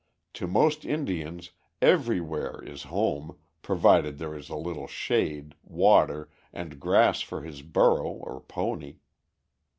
To most Indians "everywhere" is home provided there is a little shade, water, and grass for his burro or pony.